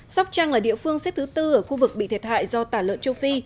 sóc trăng là địa phương xếp thứ tư ở khu vực bị thiệt hại do tả lợn châu phi